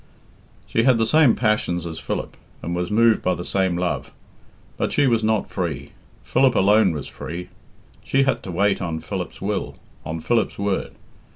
She had the same passions as Philip, and was moved by the same love. But she was not free. Philip alone was free. She had to wait on Philip's will, on Philip's word.